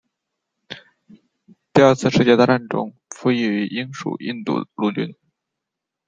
第二次世界大战中服役于英属印度陆军。